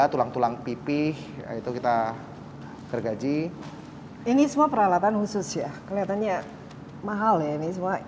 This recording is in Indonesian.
tulang tulang pipih itu kita bergaji ini semua peralatan khusus ya kelihatannya mahal ya ini semua